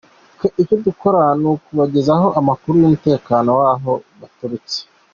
Twe icyo dukora ni ukubagezaho amakuru y’umutekano w’aho baturutse.”